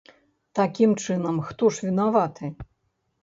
Такім чынам, хто ж вінаваты?